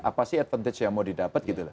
apa sih keuntungan yang mau didapat